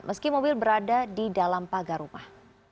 meski mobil berada di dalam pagar rumah